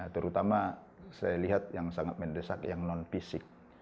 terutama saya lihat yang sangat mendesak yang non fisik